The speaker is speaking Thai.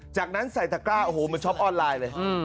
จากนั้นใส่ตะกร้าโอ้โหมันช็อปออนไลน์เลย